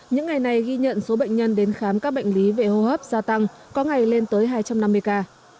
những ngày này ghi nhận số bệnh nhân đến khám các bệnh lý về hô hấp gia tăng có ngày lên tới hai trăm năm mươi ca